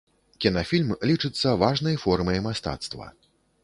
Кінафільм лічыцца важнай формай мастацтва.